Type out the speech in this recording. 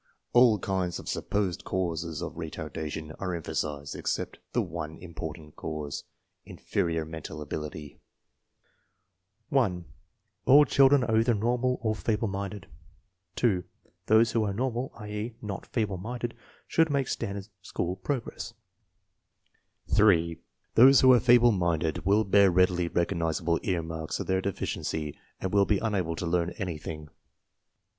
All kinds of supposed causes of retardation are empha sized except the one important cause inferior men tal ability. Many teachers seem to hold views some what as follows: (1) All children are either normal or feeble minded; (2) those who are normal (i.e., not feeble minded) should make standard school progress; (3) those who are feeble minded will bear readily rec ognizable ear marks of their deficiency and will be un able to learn anything.